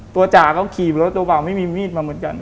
ตัวจ่าก็ขี่รถตัวเปล่าไม่มีมีดมาเหมือนกัน